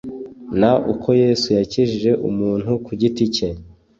n uko yesu yakijije umuntu kugiti cye